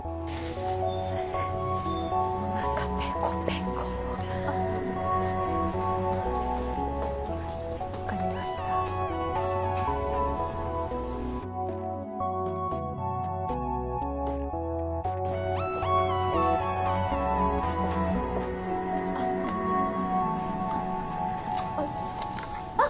おなかペコペコ分かりましたあっあっ！